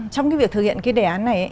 trong việc thực hiện đề án này